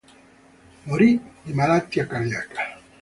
Morì di malattia cardiaca.